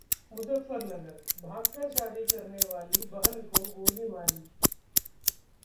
मुजफ्फरनगर: भागकर शादी करने वाली बहन को गोली मारी